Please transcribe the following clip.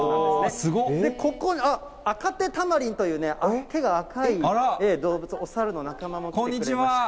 ここ、アカテタマリンという、手が赤い動物、お猿の仲間も来てくれました。